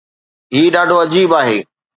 هي ڏاڍو عجيب آهي.